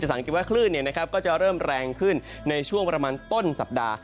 สังเกตว่าคลื่นก็จะเริ่มแรงขึ้นในช่วงประมาณต้นสัปดาห์